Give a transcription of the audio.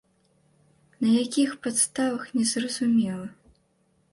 На якіх падставах, незразумела.